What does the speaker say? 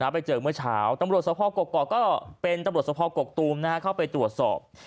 ไปเจอกันเมื่อเช้าตสทศพอกกกกกกก็เป็นตสทศพอกกตุ๋มเข้าไปตรวจสอบ